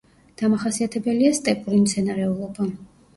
დამახასიათებელია სტეპური მცენარეულობა.